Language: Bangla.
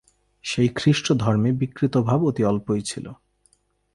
সেই খ্রীষ্টধর্মে বিকৃতভাব অতি অল্পই ছিল।